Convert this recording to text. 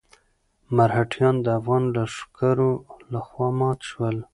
مرهټیان د افغان لښکرو لخوا مات شول.